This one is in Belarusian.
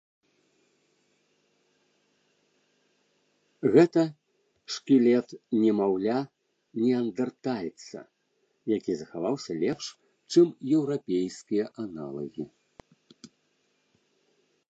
Гэта шкілет немаўля-неандэртальца, які захаваўся лепш, чым еўрапейскія аналагі.